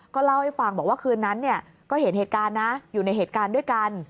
ก็เล่าให้ฟังบอกว่าคืนนั้นก็เห็นเหตุการณ์นะอยู่ในเหตุการณ์ด้วยกัน